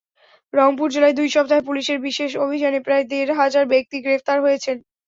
রংপুর জেলায় দুই সপ্তাহে পুলিশের বিশেষ অভিযানে প্রায় দেড় হাজার ব্যক্তি গ্রেপ্তার হয়েছেন।